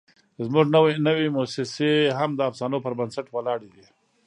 زموږ نوې موسسې هم د افسانو پر بنسټ ولاړې دي.